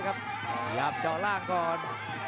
พยายามเจาะล่างก่อน